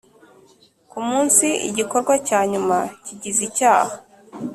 ku munsi igikorwa cya nyuma kigize icyaha